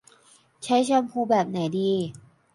ใช้แชมพูแบบไหนดี